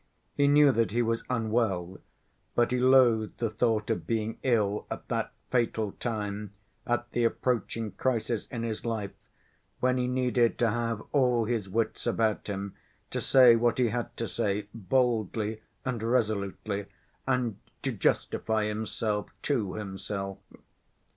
He knew that he was unwell, but he loathed the thought of being ill at that fatal time, at the approaching crisis in his life, when he needed to have all his wits about him, to say what he had to say boldly and resolutely and "to justify himself to himself."